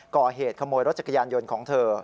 ก่อเหตุขโมยรถจักรยานยนต์ของเธอ